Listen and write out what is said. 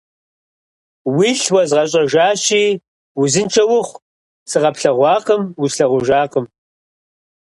Уилъ уэзгъэщӀэжащи, узыншэ ухъу, сыкъэплъэгъуакъым, услъэгъужакъым.